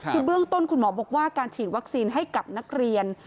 คือเบื้องต้นคุณหมอบอกว่าการฉีดวัคซีนให้กับนักเรียน